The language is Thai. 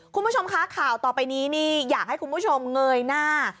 คุณผู้ชมคะข่าวต่อไปนี้นี่อยากให้คุณผู้ชมเงยหน้า